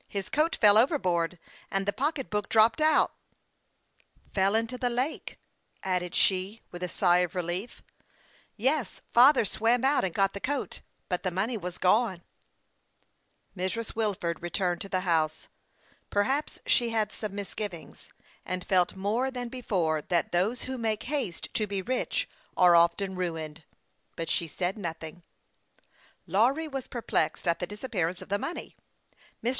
" His coat fell overboard, and the pocketbook dropped out." " Fell into the lake," added she, with a feeling of relief. 52 HASTE AND WASTE, OB " Yes ; father swam out and got the coat, but the money was gone." Mrs. Wilford returned to the house. Perhaps she had some misgivings, and felt more than before that those who make haste to be rich are often ruined ; but she said nothing. Lawry was perplexed at the disappearance of the money. Mr.